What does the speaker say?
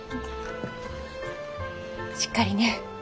しっかりね。